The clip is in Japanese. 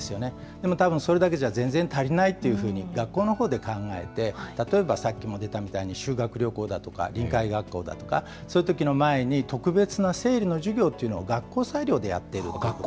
でも、たぶんそれだけじゃ全然足りないというふうに、学校のほうで考えて、例えばさっきも出たみたいに、修学旅行だとか、臨海学校だとか、そういうときの前に特別な生理の授業というのを学校裁量でやっている。